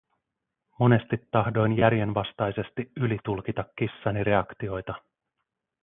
Monesti tahdoin järjenvastaisesti ylitulkita kissani reaktioita.